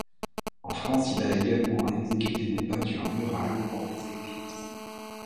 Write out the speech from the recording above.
En France, il a également exécuté des peintures murales pour des églises.